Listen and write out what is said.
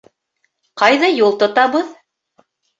— Ҡайҙа юл тотабыҙ?